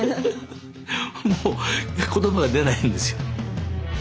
もう言葉が出ないんですよ。